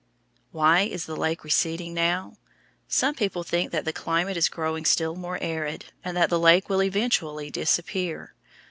Why is the lake receding now? Some people think that the climate is growing still more arid, and that the lake will eventually disappear.